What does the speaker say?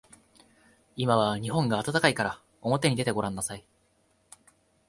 今は日本が暖かいからおもてに出てごらんなさい。